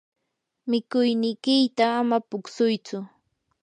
mikuynikiyta ama puksuytsu.